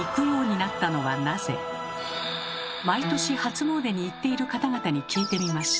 毎年初詣に行っている方々に聞いてみました。